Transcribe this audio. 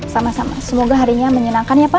sama sama semoga harinya menyenangkan ya pak